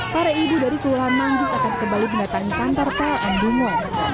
para ibu dari kelurahan manggis akan kembali mendatangi kantor pln dungon